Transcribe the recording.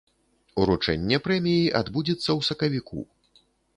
Уручэнне прэміі адбудзецца ў сакавіку.